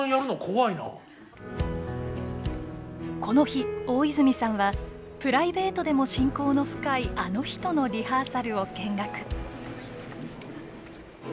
この日大泉さんはプライベートでも親交の深いあの人のリハーサルを見学。